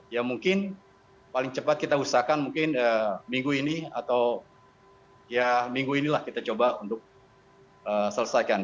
ya mungkin paling cepat kita usahakan mungkin minggu ini atau ya minggu inilah kita coba untuk selesaikan